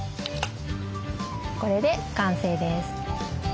これで完成です。